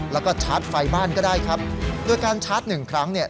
แล้วก็ชาร์จไฟบ้านก็ได้ครับโดยการชาร์จหนึ่งครั้งเนี่ย